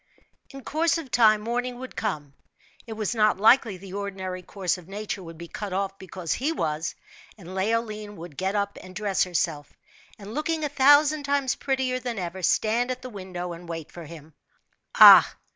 In course of time morning would come it was not likely the ordinary course of nature would be cut off because he was; and Leoline would get up and dress herself, and looking a thousand times prettier than ever, stand at the window and wait for him. Ah!